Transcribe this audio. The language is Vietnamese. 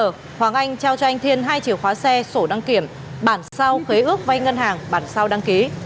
trước đó hoàng anh trao cho anh thiên hai chìa khóa xe sổ đăng kiểm bản sao khế ước vai ngân hàng bản sao đăng ký